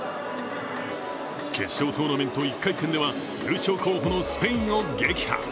決勝トーナメント１回戦では、優勝候補のスペインを撃破。